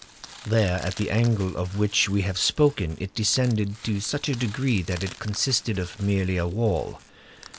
There, at the angle of which we have spoken, it descended to such a degree that it consisted of merely a wall.